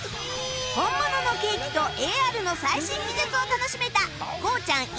本物のケーキと ＡＲ の最新技術を楽しめたゴーちゃん。